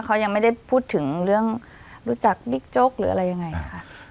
เขายังไม่ได้พูดถึงเรื่องรู้จักบิ๊กโจ๊กหรืออะไรยังไงค่ะ